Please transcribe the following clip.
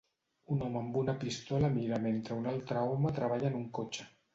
Un home amb una pistola mira mentre un altre home treballa en un cotxe.